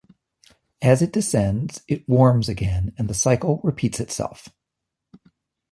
As it descends, it warms again and the cycle repeats itself.